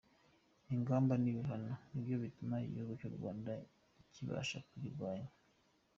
Ingamba n’ibihano ni byo bituma igihugu cy’u Rwanda kibasha kuyirwanya.